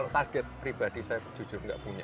target pribadi saya jujur nggak punya